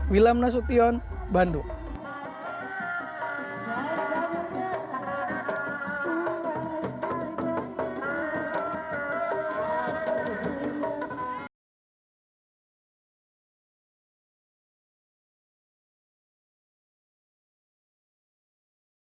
wilham nasution bandung